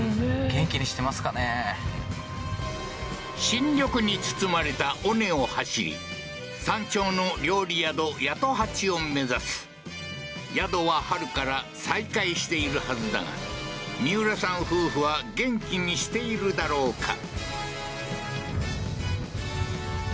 新緑に包まれた尾根を走り山頂の料理宿八十八を目指す宿は春から再開しているはずだが三浦さん夫婦は元気にしているだろうか？